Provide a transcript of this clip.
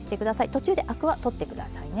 途中でアクは取って下さいね。